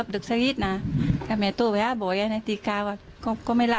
เบอร์ลูอยู่แบบนี้มั้งเยอะมาก